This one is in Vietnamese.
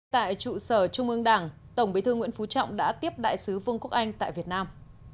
tại trụ sở trung ương đảng tổng bí thư nguyễn phú trọng đã tiếp đại sứ vương quốc anh tại việt nam